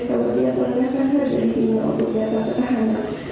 kalau dia pernah pernah berikimu untuk jabat tahanan